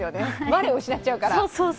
我を失っちゃうから。